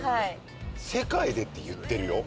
「世界で」って言ってるよ？